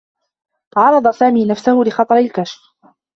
عرّض سامي نفسه لخطر الكشف.